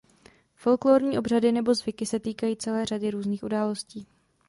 Folklorní obřady nebo zvyky se týkají celé řady různých událostí.